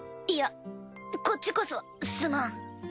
いやこっちこそすまん。